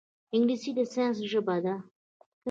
انګلیسي د ساینس ژبه ده